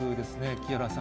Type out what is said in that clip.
木原さん。